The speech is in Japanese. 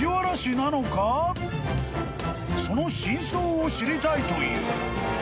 ［その真相を知りたいという］